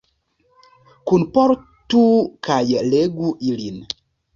Kunportu kaj legu ilin.